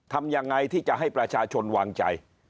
ทำยังไงที่จะให้ประชาชนวางใจ